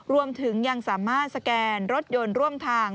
รวมถึงยังสามารถสแกนรถยนต์ร่วมทาง